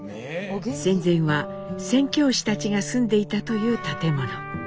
戦前は宣教師たちが住んでいたという建物。